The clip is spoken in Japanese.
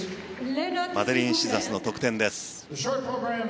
マデリーン・シザスの得点です。